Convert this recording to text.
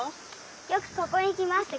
よくここにきますか？